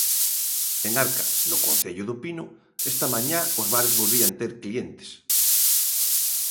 En Arca, no concello do Pino, esta mañá os bares volvían ter clientes.